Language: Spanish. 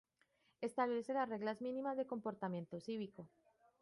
Establece las reglas mínimas de comportamiento cívico.